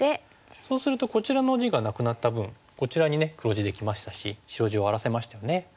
そうするとこちらの地がなくなった分こちらに黒地できましたし白地を荒らせましたよね。